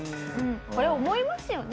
これ思いますよね。